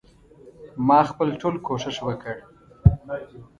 ما خپل ټول کوښښ وکړ.